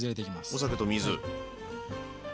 お酒と水。